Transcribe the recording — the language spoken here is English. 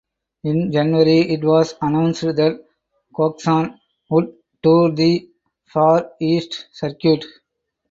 In January it was announced that Coxon would tour the Far East Circuit.